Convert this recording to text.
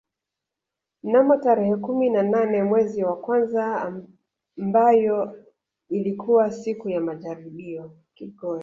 Mnamo tarehe kumi na nane mwezi wa kwanza mbayo ilikuwa siku ya majaribio